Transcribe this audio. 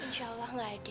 insya allah nggak ada